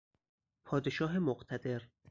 پادشاه مقتدر